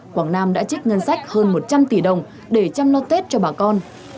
quảng nam đã trích ngân sách hơn một trăm linh tỷ đồng để chăm lo tết cho bà con